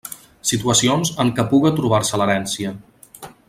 Situacions en què puga trobar-se l'herència.